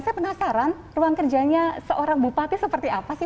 saya penasaran ruang kerjanya seorang bupati seperti apa sih